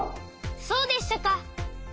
そうでしたか！